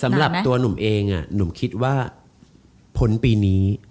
สำหรับตัวหนุ่มเองหนุ่มคิดว่าพ้นปีนี้